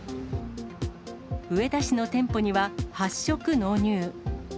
上田市の店舗には、８食納入。